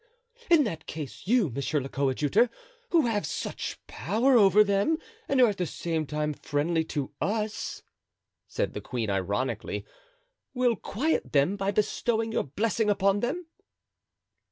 "In that case, you, monsieur le coadjuteur, who have such power over them and are at the same time friendly to us," said the queen, ironically, "will quiet them by bestowing your blessing upon them."